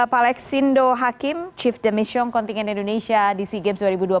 palex sindo hakim chief demission kontingen indonesia di sea games dua ribu dua puluh